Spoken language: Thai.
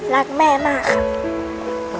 รักแม่มากค่ะ